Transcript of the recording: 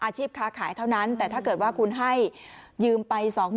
ค้าขายเท่านั้นแต่ถ้าเกิดว่าคุณให้ยืมไป๒๐๐๐